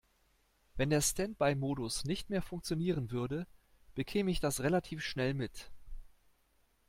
Wenn der Standby-Modus nicht mehr funktionieren würde, bekäme ich das relativ schnell mit.